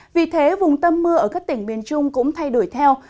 vì thế vùng tâm mưa ở các tỉnh miền trung cũng thay đổi theo